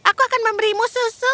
aku akan memberimu susu